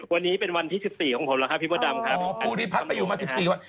วันนี้เป็นวันที่สิบสี่ของผมแล้วครับพี่มดดำครับภูริพัฒน์ไปอยู่มาสิบสี่วัน